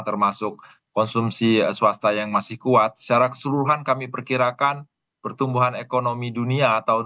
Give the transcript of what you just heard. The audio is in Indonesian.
termasuk konsumsi swasta yang masih kuat secara keseluruhan kami perkirakan pertumbuhan ekonomi dunia tahun dua ribu dua puluh